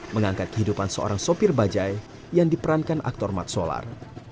mengangkat kehidupan seorang sopir bajai yang diperankan aktor matsolar